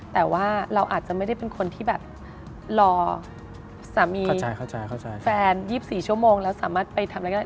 แต่ว่าเราอาจจะไม่ได้เป็นคนที่รอสามีแฟน๒๔ชั่วโมงแล้วสามารถไปทำอะไร